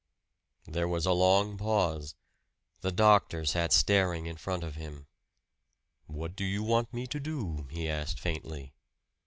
There was a long pause; the doctor sat staring in front of him. "What do you want me to do?" he asked faintly.